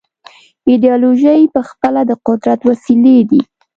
ایدیالوژۍ پخپله د قدرت وسیلې دي.